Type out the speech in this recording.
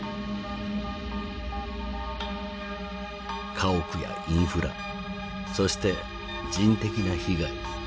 家屋やインフラそして人的な被害。